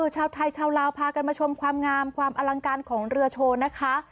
ชาวไทยชาวลาวพากันมาชมความงามความอลังการของเรือโชว์นะคะ